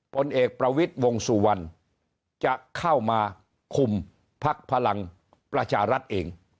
ผลเอกประวิทย์วงสุวรรณจะเข้ามาคุมพักพลังประชารัฐเอง